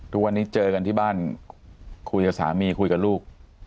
ทุกวันนี้เจอกันที่บ้านคุยกับสามีคุยกับลูก